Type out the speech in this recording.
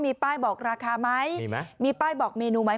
มีป้ายบอกราคาไหมมีไหมมีป้ายบอกเมนูไหม